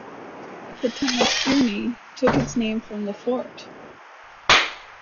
The town of Kearney took its name from the fort.